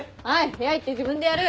部屋行って自分でやる！